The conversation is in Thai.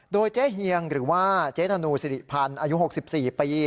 โดยเจ๊เฮียงหรือว่าเจ๊ธนูสิริพันธ์อายุ๖๔ปี